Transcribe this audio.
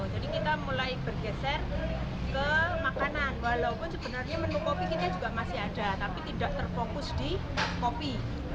jadi kita mulai bergeser ke makanan walaupun sebenarnya menu kopi kita juga masih ada tapi tidak terfokus di kopi